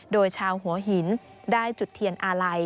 โดยชาวหัวหินได้จุดเทียนอาลัย